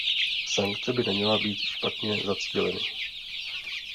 Sankce by neměly být špatně zacíleny.